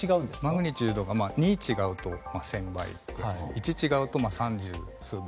マグニチュードが２違うと、１０００倍で１違うと三十数倍。